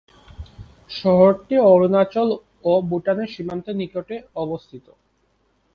শহরটি অরুণাচল ও ভুটানের সীমান্ত নিকটে অবস্থিত।